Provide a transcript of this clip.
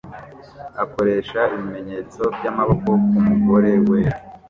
akoresha ibimenyetso byamaboko kumugore wera